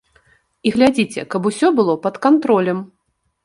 І глядзіце, каб усё было пад кантролем.